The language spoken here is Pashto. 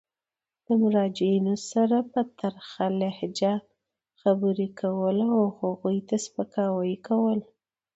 د مراجعینو سره په ترخه لهجه خبري کول او هغوی ته سپکاوی کول.